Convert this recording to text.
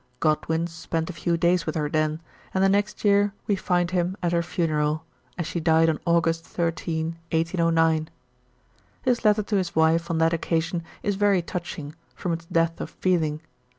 Godwin spent a few da} s with her then, and the next year we find him at her funeral, as she died on August 13, 1809. His letter to his wife on that occasion is very touching, from its depth of feeling.